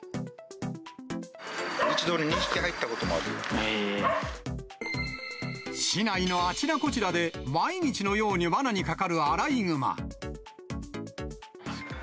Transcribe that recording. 一度に２匹入ったこともある市内のあちらこちらで、毎日のようにわなにかかるアライグマ。